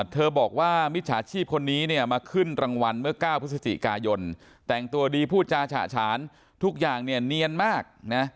เธอบอกว่ามิจฉาชีพคนนี้เนี่ยมาขึ้นรางวัลเมื่อ๙พฤศจิกายนแต่งตัวดีพูดจาฉะฉานทุกอย่างเนี่ยเนียนมากนะ